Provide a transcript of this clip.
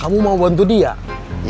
kamu mau bantu diangkat